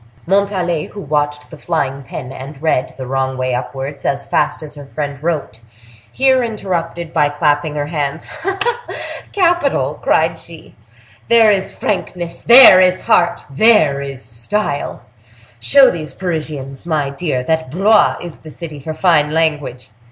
Montalais, who watched the flying pen, and read, the wrong way upwards, as fast as her friend wrote, here interrupted by clapping her hands. "Capital!" cried she; "there is frankness—there is heart—there is style! Show these Parisians, my dear, that Blois is the city for fine language!"